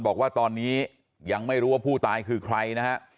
บอกว่าตอนนี้ยังไม่รู้ว่าผู้ตายคือใครนะฮะ